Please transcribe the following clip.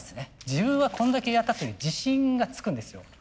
自分はこんだけやったという自信がつくんですよ。